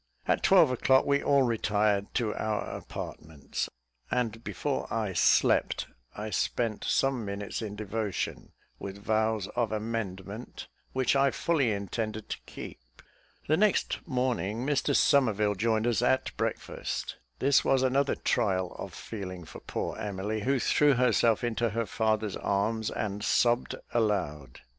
At twelve o'clock, we all retired to our apartments, and before I slept I spent some minutes in devotion, with vows of amendment which I fully intended to keep. The next morning, Mr Somerville joined us at breakfast. This was another trial of feeling for poor Emily, who threw herself into her father's arms, and sobbed aloud.